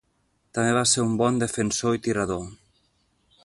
També va ser un bon defensor i tirador.